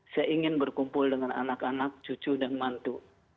saya ingin berkumpul dengan anak anak cucu dan mantu